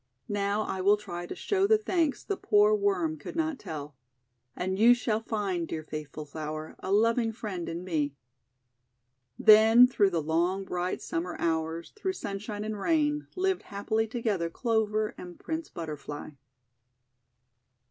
Now I will try to show the thanks the poor \Yorrn could not tell. And you shall find, dear faithful Flower, a loving friend in me." Then through the long bright Summer hours, through sunshine and rain, lived happily to gether Clover and Prince Butterfly.